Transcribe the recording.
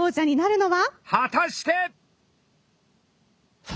果たして！